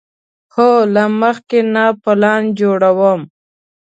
هو، له مخکې نه پلان جوړوم